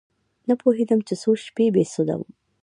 نه پوهېدم چې څو شپې بې سده وم.